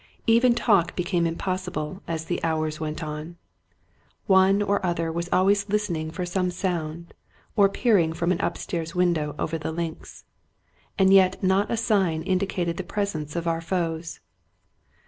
Even talk became impossible, as the hours went on. One or other was always listening for some sound, or peering from an upstairs window over the links. And yet not a sign indi cated the presence of our foes.